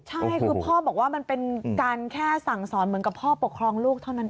ใช่คือพ่อบอกว่ามันเป็นการแค่สั่งสอนเหมือนกับพ่อปกครองลูกเท่านั้นเอง